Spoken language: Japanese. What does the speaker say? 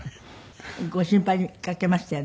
ご心配かけましたよね。